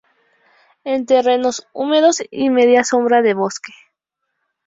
En terrenos húmedos y media sombra de bosque.